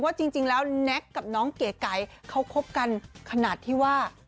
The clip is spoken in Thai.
จริงแล้วแน็กกับน้องเก๋ไก่เขาคบกันขนาดที่ว่า